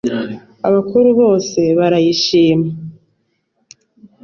Abakuru bose barayishima